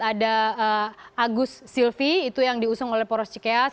ada agus silvi itu yang diusung oleh poros cikeas